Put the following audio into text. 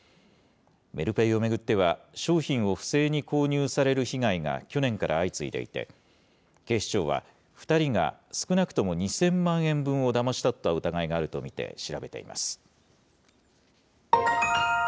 メルペイを巡っては、商品を不正に購入される被害が去年から相次いでいて、警視庁は、２人が少なくとも２０００万円分をだまし取った疑いがあると見て調べています。